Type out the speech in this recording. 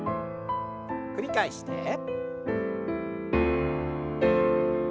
繰り返して。